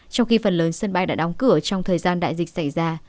trong khi phần lớn sân bay đã đóng cửa trong thời gian đại dịch xảy ra